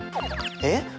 えっ？